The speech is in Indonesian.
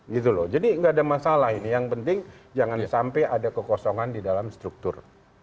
gitu loh jadi nggak ada masalah ini yang penting jangan sampai ada kekosongan di dalam struktur